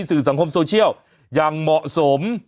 สื่อสังคมโซเชียลอย่างเหมาะสม